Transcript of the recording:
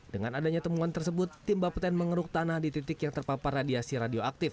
dengan adanya temuan tersebut tim bapeten mengeruk tanah di titik yang terpapar radiasi radioaktif